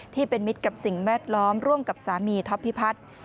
ที่เป็นมิตรกับสิ่งแวดล้อมร่วมกับสามีท็อปพิพัฒน์